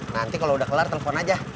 nanti kalau udah kelar telepon aja